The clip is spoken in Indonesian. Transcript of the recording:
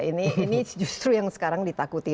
ini justru yang sekarang ditakuti